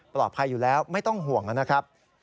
ปลอดภัยอยู่แล้วไม่ต้องห่วงนะครับ